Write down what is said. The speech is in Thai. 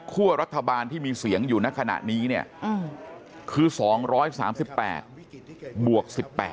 คั่วรัฐบาลที่มีเสียงอยู่ในขณะนี้คือ๒๓๘บวก๑๘